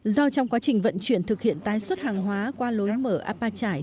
do trong quá trình vận chuyển thực hiện tái xuất hàng hóa qua lối mở apa chải